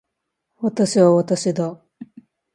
私は私だ